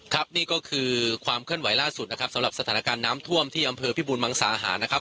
นี่ก็คือความเคลื่อนไหวล่าสุดนะครับสำหรับสถานการณ์น้ำท่วมที่อำเภอพิบูรมังสาหารนะครับ